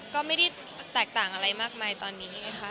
ก็ไม่ได้แตกต่างอะไรมากมายตอนนี้ค่ะ